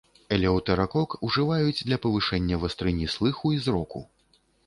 Элеўтэракок ужываюць для павышэння вастрыні слыху і зроку.